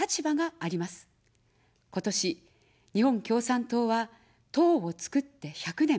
今年、日本共産党は党をつくって１００年。